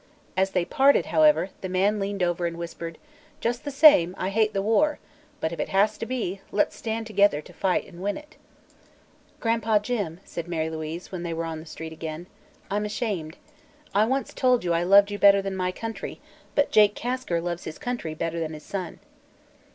As they parted, however, the man leaned over and whispered: "Just the same, I hate the war. But, if it has to be, let's stand together to fight and win it!" "Gran'pa Jim," said Mary Louise, when they were on the street again, "I'm ashamed. I once told you I loved you better than my country, but Jake Kasker loves his country better than his son."